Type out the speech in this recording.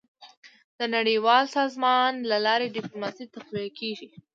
. د نړیوالو سازمانونو له لارې ډيپلوماسي تقویه کېږي.